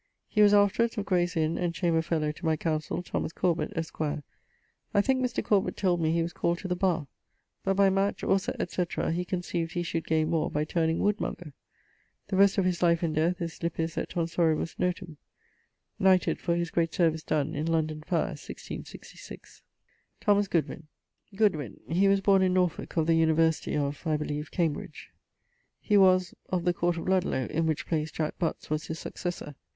He was afterwards of Grayes Inne, and chamber fellow to my counsell, Thomas Corbet, esq. I thinke Mr. Corbet told me he was called to the barre. But by match, or &c. he concieved he should gaine more by turning woodmonger. The rest of his life and death is lippis et tonsoribus notum. [Knighted for his great service done in London fire, 1666.] =Thomas Goodwyn.= ... Goodwyn: he was borne in Norfolke: of the University of, I beleeve, Cambridge. He was ... of the court of Ludlowe (in which place Jack Butts was his successor).